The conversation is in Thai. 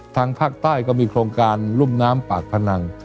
ทางภาคใต้ก็มีโครงการรุ่มน้ำปากพนัง